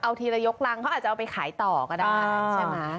เอาทีละยกรังเขาอาจจะเอาไปขายต่อก็ได้ใช่ไหม